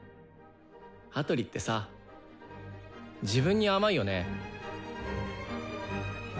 羽鳥ってさ自分に甘いよね。